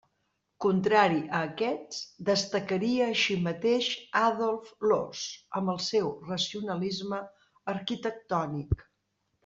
Contrari a aquests, destacaria així mateix Adolf Loos amb el seu racionalisme arquitectònic.